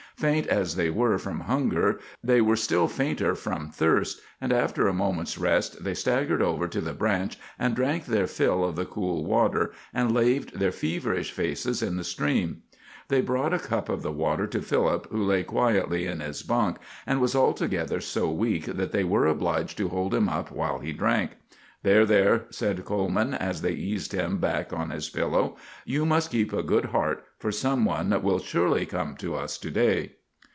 Faint as they were from hunger, they were still fainter from thirst, and after a moment's rest they staggered over to the branch and drank their fill of the cool water, and laved their feverish faces in the stream. They brought a cup of the water to Philip who lay quietly in his bunk, and was altogether so weak that they were obliged to hold him up while he drank. "There, there," said Coleman, as they eased him back on his pillow. "You must keep a good heart, for some one will surely come to us to day."